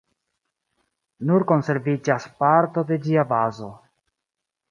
Nur konserviĝas parto de ĝia bazo.